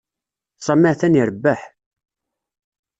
Sami atan irebbeḥ.